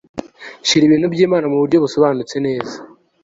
Shira ibintu byimana muburyo busobanutse neza